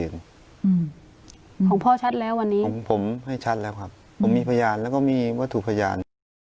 ลมพลผมอยากถามคืนว่า